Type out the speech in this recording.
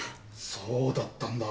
そうだったんだ。